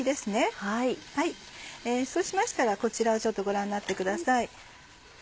そうしましたらこちらをちょっとご覧になってください。